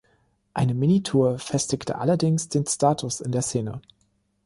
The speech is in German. Eine Minitour festigte allerdings den Status in der Szene.